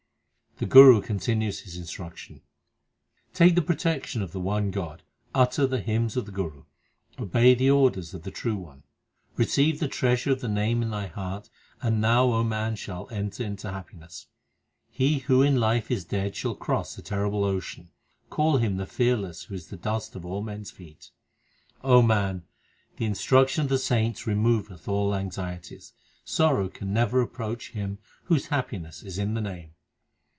HYMNS OF GURU ARJAN 315 The Guru continues his instruction : Take the protection of the one God, Utter the hymns of the Guru, Obey the order of the True One, Receive the treasure of the Name in thy heart, And thou, O man, shalt enter into happiness. He who in life is dead Shall cross the terrible ocean. Call him the fearless Who is the dust of all men s feet. O man, the instruction of the saints Removeth all anxieties. Sorrow can never approach him Whose happiness is in the Name.